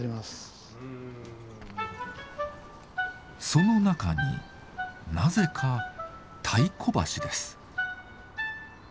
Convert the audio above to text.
その中になぜか太鼓橋です。